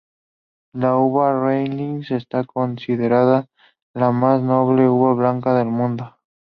La uva riesling está considerada la más noble uva blanca del mundo.